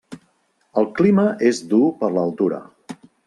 El clima és dur per l'altura.